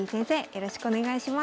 よろしくお願いします。